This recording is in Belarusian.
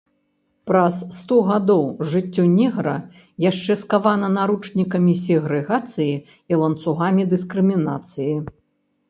Праз сто гадоў жыццё негра яшчэ скавана наручнікамі сегрэгацыі і ланцугамі дыскрымінацыі.